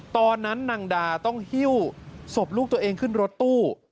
ตอนนั้นนางดาต้องหิ้วศพลูกตัวเองขึ้นรถตู้